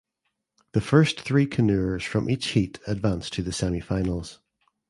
The first three canoers from each heat advance to the semifinals.